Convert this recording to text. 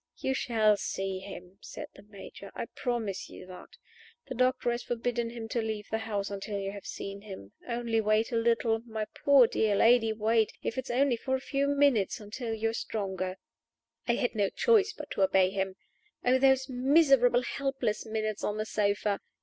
"You shall see him," said the Major. "I promise you that. The doctor has forbidden him to leave the house until you have seen him. Only wait a little! My poor, dear lady, wait, if it is only for a few minutes, until you are stronger." I had no choice but to obey him. Oh, those miserable, helpless minutes on the sofa!